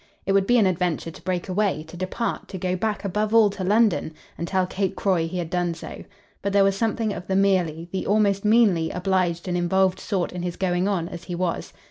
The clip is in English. It would be an adventure to break away, to depart, to go back, above all, to London, and tell Kate Croy he had done so; but there was something of the merely, the almost meanly, obliged and involved sort in his going on as he was.